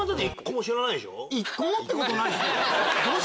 １個もってことないっすよ。